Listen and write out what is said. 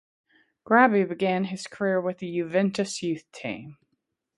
Grabbi began his career with the Juventus youth team.